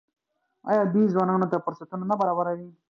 آیا دوی ځوانانو ته فرصتونه نه برابروي؟